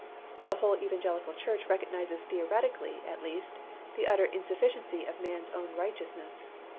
The whole evangelical church recognizes theoretically at least the utter insufficiency of man's own righteousness.